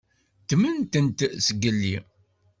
Ddment-ten zgelli.